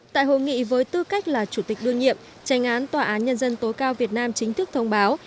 tại hội nghị với tư cách là chủ tịch đương nhiệm tranh án tòa án nhân dân tối cao việt nam chính thức thông báo